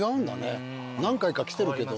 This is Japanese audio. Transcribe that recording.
何回か来てるけど。